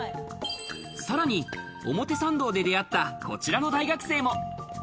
さらに、表参道で出会った、こちらの大学生も。